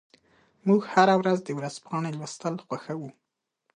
موږ هره ورځ د ورځپاڼې لوستل خوښوو.